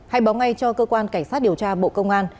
hãy báo ngay cho cơ quan cảnh sát điều tra bộ công an